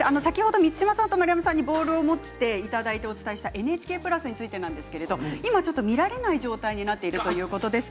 満島さんと丸山さんにボールを持っていだだいて今日お伝えしたＮＨＫプラス今見られない状態になっているということです。